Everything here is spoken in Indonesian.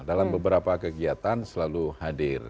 dalam beberapa kegiatan selalu hadir